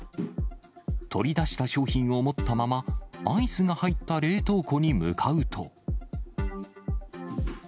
取り出した商品を持ったまま、アイスが入った冷凍庫に向かうと。